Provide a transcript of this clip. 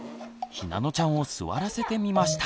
ひなのちゃんを座らせてみました。